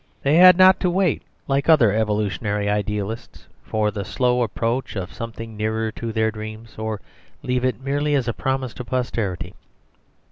They had not to wait, like other evolutionary idealists, for the slow approach of something nearer to their dreams; or to leave it merely as a promise to posterity.